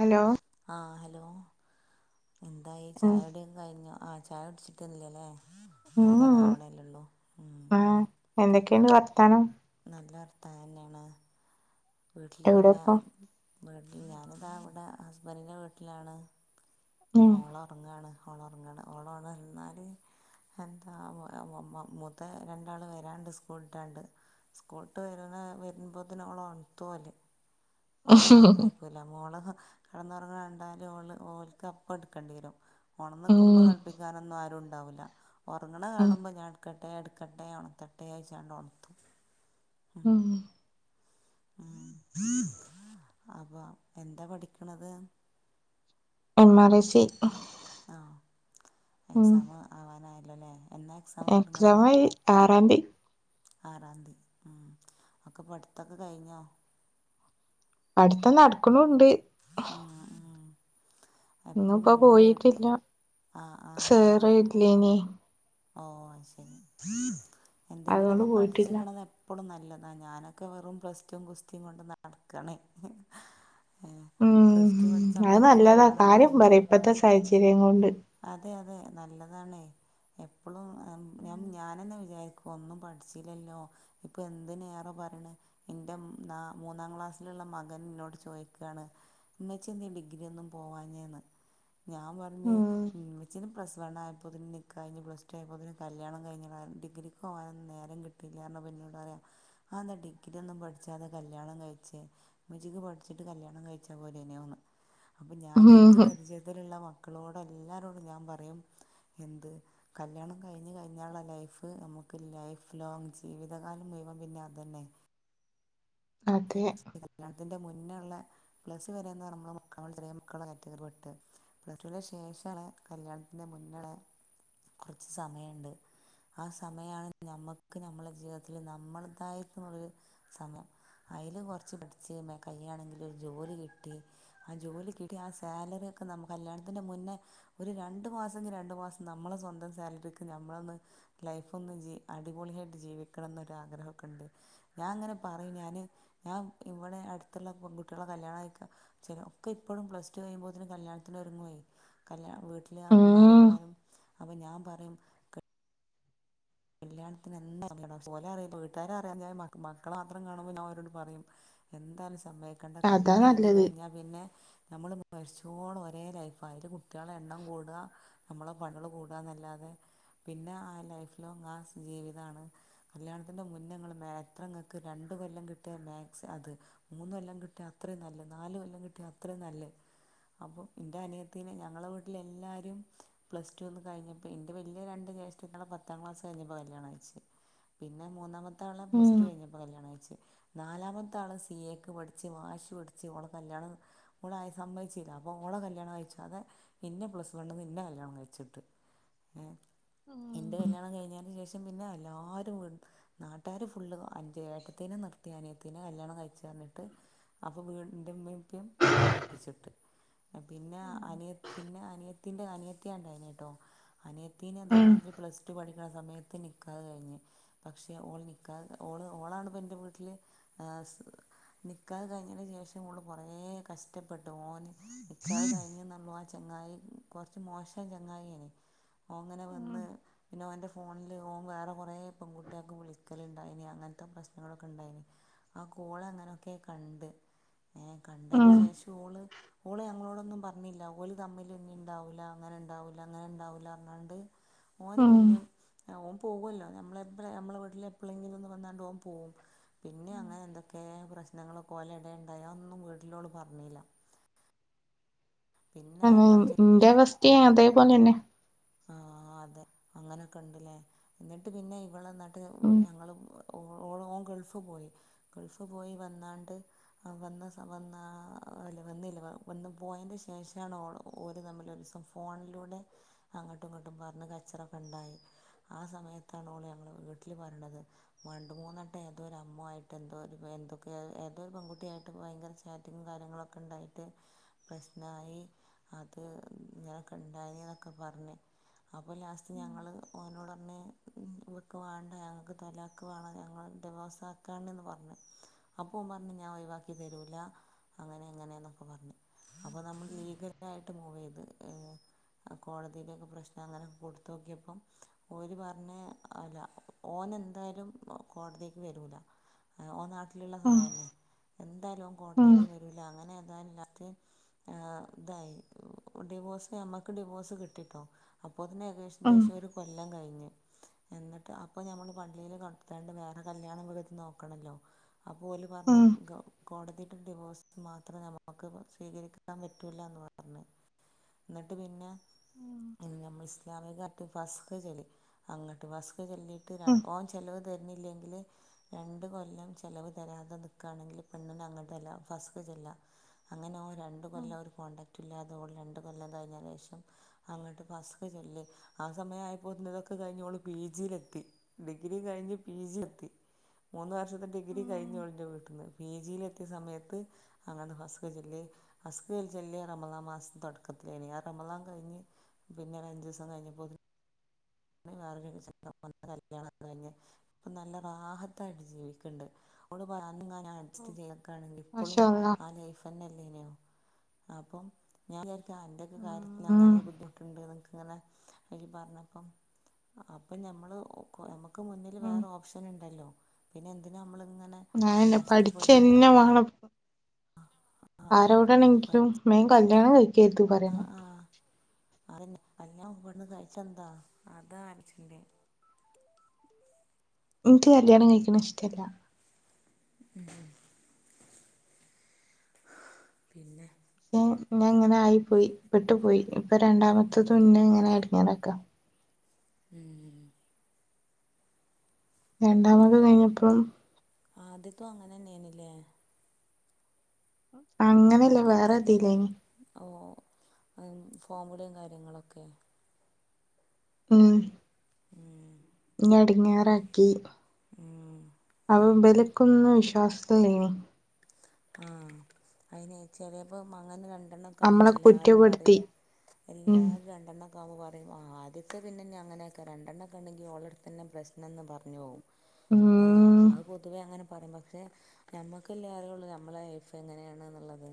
Hello ആ hello എന്തായി, ഉം ചായടിയൊക്കെ കഴിഞ്ഞോ? ആ ചായ കുടിച്ചിട്ടന്നില്ലല്ലേ, ഉം ടിക്കാനാവണല്ലുള്ളൂ. ആഹ് എന്തൊക്കെയുണ്ട് വർത്താനം നല്ലർത്താൻതന്നെണ്. വീട്ടിൽ പിന്നെ എവിടെപ്പോ വീട്ടിൽ ഞാനിതാ വിടെ ഹസ്ബൻഡിൻ്റെ വീട്ടിലാണ്, ഉം മോളറങ്ങാണ്. ഓളോറങ്ങാണ്. ഓളണർന്നാല് എന്താ മ് [unintelligible] മൂതെ രണ്ടാള് വരാണ്ട് സ്കൂൾഇട്ടാണ്ട് സ്കൂള്ട്ട് വരുന്ന വരുമ്പോതിനോളണ തോല് ഒറങ്ങാൻ സമ്മയ്ക്കൂല, മോള് കടന്നുറങ്ങണണ്ടാല് ഓള് ഓല്ക്ക് അപ്പട്ക്കണ്ടി വരും ഓണന്ന് നിക്കുമ്പോ ഉം കളിപ്പിക്കാനൊന്നും ആരും ഉണ്ടാവുല്ല, ഒറങ്ങണ ഉം കാണുമ്പോ ഞാൻ എടക്ക എടുക്കട്ടെ ഉണത്തട്ടെച്ചാണ്ട് ഉണത്തും ഉം ഉം മം അപ്പൊ എന്താ പഠിക്കണത് [unintelligible] ആ എക്സാം ആവാനായല്ലോല്ലേ? എക്സാം ആയി, ആറാംതി ആറാംതീ ഹും ഒക്കെ പടുത്തൊക്കെ കഴിഞ്ഞോ? അടുത്ത നടക്കണണ്ട് ഉം ഉം ഇന്ന എപ്പളും ഇപ്പ നമ്മള് ലേ പോയിട്ടില്ല ആ ആ ആ സേറെ ഇല്ലേ നി ഓ ശരി അതുകൊണ്ട് എന്തെങ്കിലുമൊക്കെ പോയിട്ടില്ല പഠിച്ചിക്കണ എപ്പോഴും നല്ല നല്ലതാഞാനൊക്കെ വെറും പ്ലസ് റ്റും കുസ്തിയും കൊണ്ട് നടക്കണേ പ്ലസ് ഉം ടു പഠിച്ച അത് സമയത്ത് നല്ലതാ കല്യാണം കാര്യം കഴിഞ്ഞ് പറയും ഇപ്പത്തെ സാഹചര്യം കൊണ്ട് അതെ അതെ നല്ലതാണെ എപ്പളുംഞ ഞാനെന്നെ വി രിക്ക ഒന്നും പഠിച്ചില്ലല്ലോ ഇപ്പൊ എന്ത് റെ പറയണ് എന്റെ മൂന്നാം ക്ലാസ് ക്ലാസ്സിലുള്ള മകൻ എന്നോട് ചോദിക്കുകയാണ് മച്ചിന്തീ ഡിഗ്രി ഒന്നും പോവാഞ്ഞേന്ന് ഞാൻ പറഞ്ഞഞ് ഉം ഉച്ചിന് പ്ലസ് വൺ ആയപ്പോതിന് നിക്ക കഴിഞ്ഞഞ് പ്ലസ് ടു ആയതില്കല്യാണം കഴിഞ്ഞ ഡിഗ്രിക്ക് പോകാന നേര കിട്ടില്ലാന്ന് പറാ ഡിഗ്രി ഒന്നും പഠിക്കാതെ കല്യാണം കഴിച്ചെ ഉമ്മച്ചിക്ക് പഠിച്ചിട്ട് കല്യാണം കഴിച്ചാ പോരായിരുന്നോന്ന് അപ്പൊ ഞാൻ എന്റെ ഉം പരിജയത്തിലുള്ള മക്കളോട് എല്ലാരോടും ഞാൻ പറയും എന്ത് കല്യാണം കഴിഞ്ഞഞ് കഴിഞ്ഞുള്ള ലൈഫ് നമുക്ക് ലൈഫ് ലോങ് ജീവിതകാലം മുഴുവൻ പിന്നെ അതന്നെ അതെ ശ കല്യാത്തിന്റെ മുന്നെ പിന്നെയുള്ള പ്ലസ്സ് വരെന്ന് നമ്മൾ മുക്കൾ ചെറിയ മക്കളുള്ള കാറ്റഗറി പെട്ട് പ്ലസ് ടുവിന് ശേഷമാണ് കല്യാണത്തിന്റെ മുന്നള്ള കുറച്ച് സമയുണ്ട് ആ സമയമാണ് നമ്മക്ക് നമ്മുടെ ജീവിതത്തിൽ നമ്മളതായിട്ടുള്ളരു സമയം അതിൽ കുറച്ച് പഠിച്ച് കയ്യയാണെങ്കിൽ ഒരു ജോലി കിട്ടി ആ ജോലി കിട്ടി ആ സാലറൊക്കെ ന കല്യാണത്തിന്റെ മുന്നേ ഒരു രണ്ടു മാസംങ്കും രണ്ടു മാസം നമ്മളെ സ്വന്തം സാലറി നമ്മളൊന്ന് ലൈഫ് ഒന്ന് അടിപൊളിയായിട്ട് ജീവിക്കണം എന്നൊ ആഗ്രഹമൊക്കെ ഉണ്ട് ഞാൻ അങ്ങനെ പറയും ഞാന് ഞാൻ ഇവിടെ അടുത്തുള്ള പെൺ കുട്ടികളെ കല്യാണം കഴിക്ക ചില ഒക്കെ ഇപ്പോഴും പ്ലസ് ടു കഴിയുമ്പോ ത്തേക്കും കല്യാണം കല്യാത്തിന്ഒരുങ്ങയി കല്യാ വീട്ടില് ഉമ്മാരും ഉം ഉപ്പാ രും അപ്പൊഞാൻ പറയും അല്ല കല്ല്യാണത്തിന് എന്താ പോലെ അറ വീട്ടുകാര്അറിയാതെ മക്കളെ മാത്രം കാണുമ്പോ ഞാ ൻഅവരോട് പറയും എന്താലും സമ്മക്കേണ്ട അതാ കല്യാണം നല്ലത് കഴിഞ്ഞകഴിഞ്ഞാൽ പിന്നെ നമ്മള് മരിച്ചൂട ഒരേ ലൈഫ അയല് കുട്ടികളെ എണ്ണം കൂടുക നമ്മളെ പണികള് കൂടുക എന്നല്ലാതെ പിന്നെ ആ ലൈഫ് ലോ ആ ജീവിതമാണ് കല്യാണത്തിൻ്ന്റെ മുന്നേങ്ങൾ മാത്രങ്ങൾക്ക് രണ്ട കൊല്ലം കിട്ടിയാൽ മാക് അത് മൂന്ന് കൊല്ലം കിട്ടിയ അത്രയും നല്ല നാല് കൊല്ലം കിട്ടിയ അത്രയും നല്ലത് അപ്പം എന്റെ അനിയത്തിനെ ഞങ്ങള വീട്ടിൽ എല്ലാരും പ്ലസ് ടുന്ന് കഴിഞ്ഞപ്പോ എന്റെ വലിയ രണ്ട് ജേഷ്ട പത്താംക്ലസ് കഴിഞ്ഞപ്പോ കല്യാണം കഴിച്ചു പിന്നെ മന്നാമ ത്തെആള പ്ലസ് ഉം ടു കഴിഞ്ഞപ്പോ കല്യാണം കഴിച്ചു നാലാമത്തെ ആള് സി എക്ക് പഠച്ച് വാശ് പഠച്ച് കല്യാണം ഓള് ആദ്യം സമ്മയിച്ചില്ല അപ്പോ ഓള കല്യാണം കഴിച്ചാതെ ഇന്നെ പ്ലസ് വൺ ന്ന്ന്നെ കല്ല്ണം കഴിച്ചിട്ട് വിട്ടു. ആ എന്റെകല്യാണം കഴഞ്ഞ ശേഷം പക്ഷ പിന്നെ എല്ലാവരും നാട്ടാർ ഫുള് അഞ്ച് ഏട്ടത്തേനെ നിർത്തി അനിയത്തേനെ കല്യാണം കഴിച്ച എന്നിട്ട് അപ്പന്റെഉ മ്മേളപ്പം ഓളെ കെട്ടിച്ചിട്ട് വിട്ടു പിന്നെ അനിയ ഉം പിന്നെ അനിയത്തിന്റെ അനിയത്തി ഉണ്ടായിരുന്നട്ടോ അനിയത്തീനേം അതേമാതിരി പ്ലസ് [unintelligible] സമയത്ത് നിക്കാഹ് കഴിഞ്ഞുപക്ഷെ ഓ ള് നിക്കാഹ് ഓളാണ് എന്റെ വീട്ടില് ഹാസ്നിക്കാഹ് കഴിഞ്ഞതിന് ശേഷം ഓള് കുറേ കഷ്ട പെട്ടു ഓന് നിക്കാഹ് കഴിഞ്ഞെന്നപ്പ ആ ചെങ്ങായി കൊറച്ച് മോശം ചെങ്ങായി യാണ് ഓ അങ്ങനെ ഉം വന്ന് ന്ന ഓന്റെ ഫോണില് ഓൻ വേറെ കുറേ പെങ്കുകുട്ടിയേക്കെ വിളിക്കലിണ്ടായിനി അങ്ങനത്ത പ്രശ്നങ്ങളൊക്കെ ഇണ്ടായിനി. ആ കോള് അങ്ങനെയൊക്കെ കണ്ട് ഏ കണ്ടേന് ഉം ശേഷ ഓള് ഓള് ഞങ്ങളോടൊന്നും പറഞ്ഞില്ല ഓര്തമ്മില് ഒന്നും ഇണ്ടാവൂല്ല അങ്ങനെ ഇണ്ടാവൂല്ലാന്ന് അങ്ങനെ ഇണ്ടാവൂല്ലാന്ന് ണ്ട് ഓന് ഉം പിന്നും ആ ഓൻ പോവല്ലോ ഞമ്മളെ പ്പ നമ്മളെ വീട്ടില് എപ്പെളെങ്കിലും ഒന്ന് വന്നാണ്ട് ഓൻ പോവും. പിന്നെ അങ്ങനെ എന്തൊക്കെ പ്രശ്നങ്ങളൊക്കോലെ എടേ ഇണ്ടായി ഒന്നും വീട്ടിലോള് പറഞ്ഞില്ല. പിന്നെ തന്നേ ഇൻ ലാസ്റ്റ് ഇന്റെവസ്ഥയും അതേ പോലന്നെ. ആഹ് അതെ അങ്ങനൊക്കെ ഉണ്ട്ല്ലേ എന്നിട്ട് പിന്നെ ഇവള് എന്നിട്ട് ഉം ഞങ്ങള് ഓ ഓളും. ഓൻ ഗൾഫ് പോയി ഗൾഫ് പോയി വന്നാണ്ട് അ വന്ന സ വന്ന ആ ഇല വന്നി ഉ വന്ന് പോയേന് ശേഷാണ് ഓള് ഓര് തമ്മില് ദിവസം ഫോണിലൂടെ അങ്ങട്ടും ഇങ്ങട്ടും. വന്ന് കച്ചറൊക്കെ ഉണ്ടായി ആ സമയത്താണ് ഓള് ഞങ്ങളെ വീട്ടില് വന്നത് പണ്ട് മൂന്നട്ട ഏതോ ഒരു അമ്മു ആയിട്ട് എന്തോ ഒരു വെ എന്തൊക്കെ ഏതോരു പെങ്കുട്ടിയായിട്ട് ഭയങ്കര ചാറ്റിങ്ങും കാര്യങ്ങളൊക്കെ ഉണ്ടായി. പ്രശ്നായി അത് ഞാൻ കണ്ടായ പറഞ്ഞ് അപ്പോ ലാസ്റ്റ് ഞങ്ങള് ഓനോടറഞ്ഞ് ക്ക് വേണ്ട ഞങ്ങക്ക് തലാക്ക് വേണം ഞങ്ങള് ഡിവോസാക്കാനെന്ന് പറഞ്ഞ് അപ്പോ ഉമ്മറഞ്ഞ് ഞാ ഒഴിവാക്കി തരൂല അങ്ങനെ എങ്ങനെന്നൊക്കെ പറഞ്ഞു. അപ്പോ നമ്മള് ലീഗലായിട്ട് മൂവെയ്ത്. അ കോടതിയിലേക്കെ പ്രശ്നങ്ങള് കൊടുത്ത് നോക്കിയപ്പം ഒര് പറഞ്ഞ് അല്ല ഓന് എന്തായാലും ഓ കോടതിക്ക് വരൂല്ല എ ഓൻ നാട്ടില് ലിള്ള ഉം സമയല്ലെ എന്തായാലു അവൻ ഉം കോടതീക്ക് വരൂല്ല അങ്ങനെ അയ്നാത്ത് ആ ഇതായി ഉ ഡിവോഴ്സ് ഞമ്മ ഡിവോഴ്സ് കിട്ടീട്ടോ അപ്പോ തന്നെ ഏകദേശം ഉം ദേശ ഒരു കൊല്ലം കഴിഞ്ഞ്. എന്നിട്ട് അപ്പോ ഞമ്മള് പള്ളീല് കൊടുത്താണ്ട് വേറെ കല്യാണം അങ്ങ് വച്ച് നോക്കണല്ലോ. അപ്പ ഓല് പറഞ്ഞ് ഉം ഗ കോടതിടെ ഡിവോഴ്സ് മാത്രമേ നമുക്കൊക്കെ സ്വീകരിക്കാൻ പറ്റൂല്ല എന്ന് പറഞ്ഞ്. ന്നിട്ട് പിന്ന ഞമ്മള് ഇസ്ലാമിക [unintelligible] ചെയ്യില്ലേ അങ്ങൻത്ത. [unintelligible] ഇത് ചൊല്ലീട്ട് ഞാൻ ഉം ഓൻ ചെല്ലുവ തരുന്നില്ലെങ്കില് രണ്ടു കൊല്ലം ചെലവ് തരാതെ നിക്കാണെങ്കില് പെണ്ണിന് അങ്ങാട്ടല്ല ഫസ്റ്റ്. ഇല്ല അങ്ങനെ ഓൻ രണ്ട് കൊല്ലം ഒരു കോണ്ടടാക്ടുല്ലാതെ ഓള് രണ്ട് കൊല്ലം തെകഞ്ഞ ഏകദേശം അങ്ങാട്ട് ഫസ്റ്റ് ചെല്ല് ആ സമയായപ്പോത്തിനും ഇതൊക്കെ കഴിഞ്ഞ് ഒള് പി ജിയിലെത്തി. ഡിഗ്രി കഴിഞ്ഞ് പി ജി എത്തി മൂന്ന് വർഷത്തെ ഡിഗ്രി കഴിഞ്ഞ് ഒളിന്റെ വീട്ടിന്ന്. പി ജി യിലെത്തിയ സമയത്ത് അങ്ങനെ ഹസ്ഗ ചൊല്ലി ഹസ്ഗ് ല് ചൊല്ല്യേ റമദാൻ മാസം തൊടക്കത്തിലേനി. റമദാൻ കഴിഞ്ഞ് പിന്നെ ഒരു അഞ്ചീസം കഴിഞ്ഞപ്പോ [inaudible] ഉം നല്ല റാഹത്തായിട്ട് ജീവിക്കണ്ട് ഓള് പ ഇങ്ങാന അഡ്ജസ്റ്റ് ചെയ്യക്കയാണെങ്കി ഇപ്പളും മാഷാ അള്ളാ ആ ലൈഫ്ന്നെല്ലേ ഇനിയും. അപ്പം ഞാൻ വിചാരിക്കും ആ എന്റെക്കെ കാര്യത്തില് അങ്ങനെ ഉം ഈ ബുദ്ധിമുട്ടുണ്ട്ന്ന്. അങ്ങനെ ഇഴി പറഞ്ഞപ്പം അപ്പ ഞമ്മള് ഓ കൊറെ ഞമ്മ ക്കു മുന്നില് ഉം വേറെ ഓപ്ഷന്ണ്ടല്ലൊ പിന്നെ എന്തിനാ അമ്മള് ഞാ എന്നെ പഠിച്ചന്നെ വേണം. ആ ആരോടെണെങ്കിലും പഠിച്ച് മേം കല്യാണം കഴിക്കരുത് പറയണം. അത് ഞാൻ ഇവിടന്ന് അഴച്ച ന്താ [unintelligible] എനിക്ക് കല്യാണം കഴിക്കണ ഇഷ്ട്ടല്ല. മ് ഹ് പിന്നെ. ഉം ഞ അങ്ങനായി പോയി പെട്ടു പോയി ഇപ്പോ ആ രണ്ടാമത്തതും ഇന്നെ ഇങ്ങനെ എടങ്ങേറാക്ക. മ്മ്ഹ്ഹ്ഹ് രണ്ടാമത് കയിഞ്ഞപ്പം ആദ്യത്തോ അങ്ങനെന്നെയ്ന്ല്ലേ അങ്ങനെല്ല വേറെ ആദ്യത്തെദ്ന് ഇതിലേനി ഓ ഫോമലും കാര്യങ്ങളൊക്കെ. മ്മ്. ഉം എടങ്ങേറാക്കി. ഉം. പ്പം ബല്ക്കൊന്നും വിശ്വാസല്ലീനി ആ അയിനെ ചെലേപ്പോമങ്ങനെ രൺ രണ്ടെണ്ണക്കവുമ്പോ നമ്മളെ എല്ലാരും പറയും കുറ്റപ്പെടുത്തി ഉം എല്ലാര് രണ്ടെണ്ണ [unintelligible] ആ ആദ്യത്തെ പിന്നിന്നങ്ങനെയൊ‌ക്കെ രണ്ടെണ്ണംക്കെണ്ട്ങ്കിൽ ഓളെട്ത്തന്നെ പ്രശ്നന്ന് പറഞ്ഞ്പോകും ഏ ഉം അത് പൊതുവേയങ്ങനെ പറയും പക്ഷെ ഹ് ഞമ്മക്കല്ലേ അറിയുള്ള് ഞമ്മ് മ്മ്ളെലൈഫ് എങ്ങനെയാണ്ന്നുള്ളത്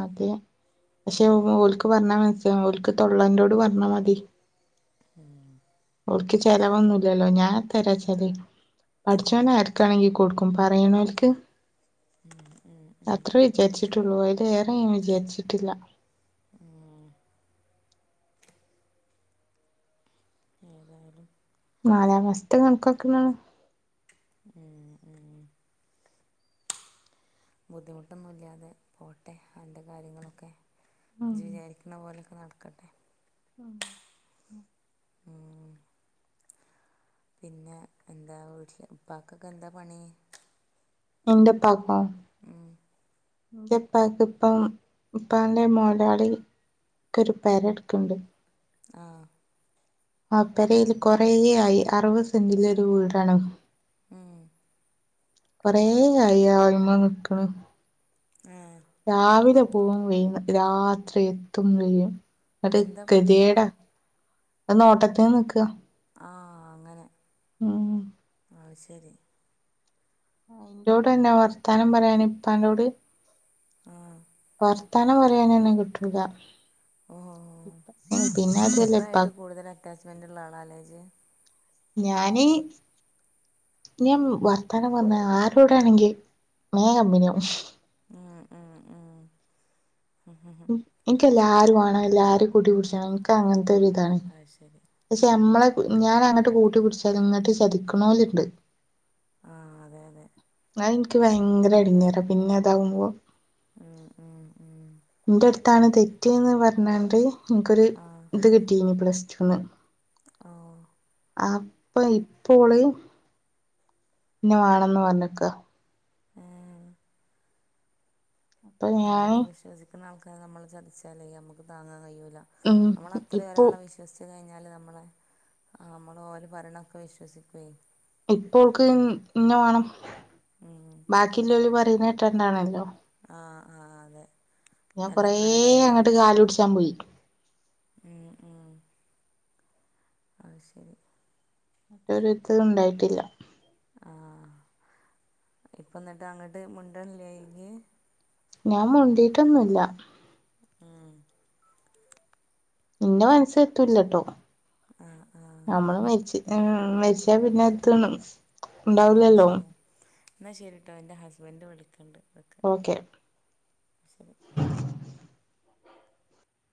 അതെ പഷെ ഉവ്വോൽക്ക് പറഞ്ഞ മൻസ്‌ ങാ ഓൽക്ക് തൊള്ളന്റോട് പറഞ്ഞാ മതി ഓൽക്ക് ചെലവൊന്നുല്ലലോ ഞാൻ തരാ ചെല് പഠച്ചോനാർക്കാണെങ്കി കൊടുക്കും പറയണോൽക്ക് അത്രേ വിചാരിച്ച്ട്ടുള്ളൂ അയിലേറെ ഞാ വിചാരിച്ച്ട്ടില്ല ഏതായ്ലും നാലാമാസ്തെ കണക്ക്നോക്ക്ങ്ങള് മ്മ് മ്മ് ബുദ്ധിമുട്ടൊന്നുല്ല്യാതെ പോട്ടെ അന്റെ കാര്യങ്ങളൊക്കെ ഉം ജ്ജ് വിചാരിക്കണപോലൊക്കെ നടക്കട്ടെ ഉം മ്മ് പിന്നെ എന്താ വീട്ട്‌ല് ഉപ്പാക്കൊക്കെ എന്താ പണി ഇന്റ്പ്പാക്കൊ മ്മ് ന്റെപ്പാക്ക്‌പ്പം പ്പാന്റെ മൊയ്ലാളി ക്കൊര് പെരട്ക്ക്ൺണ്ട് ആഹ് അപെരെയ്ല് കൊറേയായ് അറുപത് സെന്റിലൊരു വീടാണ് മ്മ് കൊറേയായി അയ്മ്മെ നിക്ക്ണ് ആഹ് രാവിലെ പോവും വൈന്ന് രാത്രി എത്തും വെയ്യും ഒര് എന്താ പണി കെത്യേടാ അനോട്ടത്ത്ന്ന് നിക്കാ ആഹ് അങ്ങനെ മ്മ് അയ്ശെരീ അയിന്ടോടെന്നാ വർത്താനം പറയാന് ഇപ്പാനോട് വർത്താനം പറയാന് ന്നെ കിട്ടൂല ഓ ഇപ്പ ഉം പിന്ന അതുവല്ല ഇപ്പാ റ്റാച്ച്മെന്റ്ള്ളാളാലെ ജ്ജ് ഞാന് ഞാൻ വർത്താനം പറഞ്ഞാ ആരോടാണെങ്കി മേം കമ്പനിയാവും ഉം, ഉം, ഉം. എനിക്കെല്ലാരും വാണം എല്ലാരും കൂടി [unintelligible] ൻക്കങ്ങൻ ഇതൊരിതാണ് അത് ശരി പക്ഷെ മ്മളെ ഞാനങ്ങട്ട് കൂട്ടി പിടിച്ചാലിങ്ങട്ട് ചതിക്കണോല്ണ്ട് ആ അതെ അതെ എനിക്ക് ഭയങ്കര അടിഞ്ഞേറ പിന്നെ അതാാവുമ്പോ. ഉം ഉം ഉം ന്റ അടുത്താണ് തെറ്റ്ന്ന് പറഞ്ഞണ്ട് നിനക്ക്ൊരു ഇത് കിട്ടിനി പ്ലസ് ച്ചൊന്ന് ആവൊ അപ്പൊ ഇപ്പോള് ന്നെ വേണന്ന് പറഞ്ഞ്ക്കാ ആഹ് അപ്പൊ ഞൻ ുന്ന ആൾക്കർ നമ്മള് ചതിച്ചാല നുക്ക് താങ്ങൻ കഴിയൂല്ല ഉം നമ്മ അത്ര ഇപ്പൊ ഒരാളെ വിശ്വസിച്ച കി കാല് നമ്മളെ നമ്മള് ഓര് ഭരണൊക്കെ വിശ്വസിക്കുവെ ഇപ്പോൾക്ക് ഇന്ന വേണം ഉം. ബാക്കില്ലലി പറയുന്ന ട്രന്താണല്ലോ ആ ആ അതെ ഞാൻ നല്ല കൊറെ ഫ്രണ്ട് അങ്ങോട്ട് കാല പിടിച്ചാൻ പോയി ഉ ഉ അത് ശരി മറ്റത്ത ഉണ്ടായിട്ടില്ല ആഹ ഇപ്പ എന്നിട്ട് അങ്ങോട്ട് മുണ്ടണല്ല ഇയ്യ്? ഞാൻ മുണ്ടീട്ടൊന്നുമില്ല. ആഹ ഇന്ന മനസ്സ എത്തൂലട്ടോ. ആഹ ആഹ ഉ വച്ച പിന്നെത് ആ ഉണ്ടാവൂലല്ലോ ശരി എന്നാൽ ശരിട്ടോ എൻ്റെ ഹസ്ബൻഡ് വിളിക്കുന്നുണ്ട്. ഓക്കെ ശരി